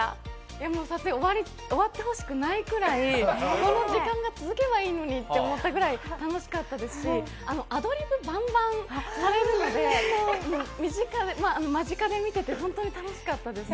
いや、もう撮影終わってほしくないぐらい、この時間が続けばいいのにって思ったぐらい、楽しかったですし、アドリブ、ばんばんされるので、間近で見てて、本当に楽しかったです。